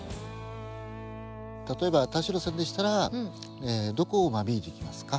例えば田代さんでしたらどこを間引いていきますか？